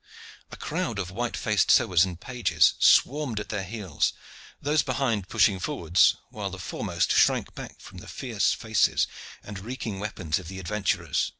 A crowd of white faced sewers and pages swarmed at their heels, those behind pushing forwards, while the foremost shrank back from the fierce faces and reeking weapons of the adventurers.